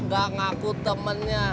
gak ngaku temennya